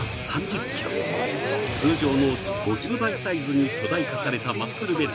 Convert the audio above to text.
通常の５０倍サイズに巨大化されたマッスルベル